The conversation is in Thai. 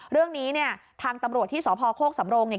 เรื่องนี้เนี่ยทางตำรวจที่สพโคกสำโรงเนี่ย